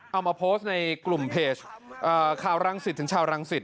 เอามาโพสต์ในกลุ่มเพจข่าวรังสิตถึงชาวรังสิต